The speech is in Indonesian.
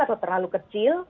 atau terlalu kecil